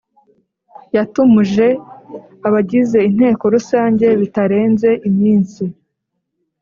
Yatumuje abagize Inteko Rusange bitarenze iminsi